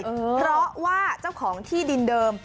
เพราะว่าเจ้าของที่ดินเดิม